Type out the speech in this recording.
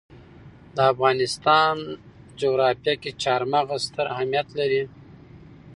د افغانستان جغرافیه کې چار مغز ستر اهمیت لري.